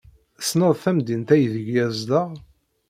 Tessneḍ tamdint aydeg yezdeɣ?